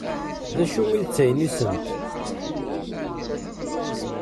D acu i d taynisemt?